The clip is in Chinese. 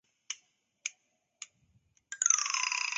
短鞭亚热溪蟹为溪蟹科亚热溪蟹属的动物。